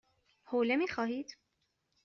حوله می خواهید؟